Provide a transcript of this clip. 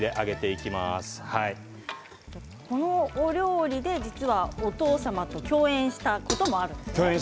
この料理でお父様と共演したこともあるんですね。